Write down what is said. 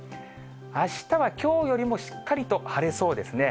あしたはきょうよりもしっかりと晴れそうですね。